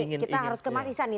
oke ini kita harus kemarisan nih